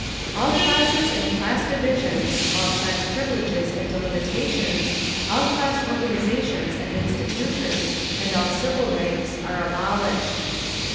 All classes and class divisions, all class privileges and delimitations, all class organisations and institutions and all civil ranks are abolished.